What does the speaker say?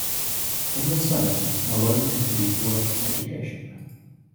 In the Senate, Malone continued to work in education.